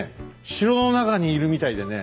城の中にいるみたいでね